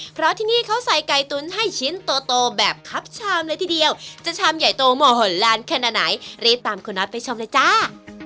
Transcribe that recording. เพราะที่นี่เขาใส่ไก่ตุ๋นให้ชิ้นโตแบบคับชามเลยทีเดียวจะชามใหญ่โตเหมาะหนล้านขนาดไหนรีบตามคุณน็อตไปชมเลยจ้า